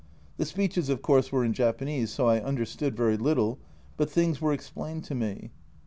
The speeches, of course, were in Japanese, so I understood very little, but things were explained to me.